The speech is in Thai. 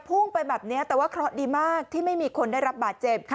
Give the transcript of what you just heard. พุ่งไปแบบนี้แต่ว่าเคราะห์ดีมากที่ไม่มีคนได้รับบาดเจ็บ